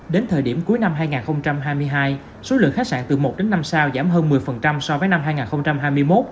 đến thời điểm cuối năm hai nghìn hai mươi hai số lượng khách sạn từ một đến năm sao giảm hơn một mươi so với năm hai nghìn hai mươi một